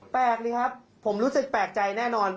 แปลกดีครับผมรู้สึกแปลกใจแน่นอน